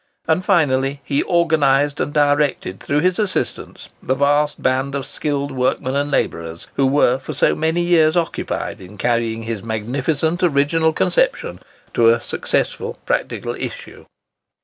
And finally, he organised and directed, through his assistants, the vast band of skilled workmen and labourers who were for so many years occupied in carrying his magnificent original conception to a successful practical issue.